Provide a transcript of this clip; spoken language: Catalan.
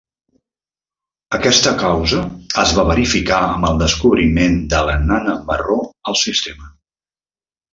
Aquesta causa es va verificar amb el descobriment de la nana marró al sistema.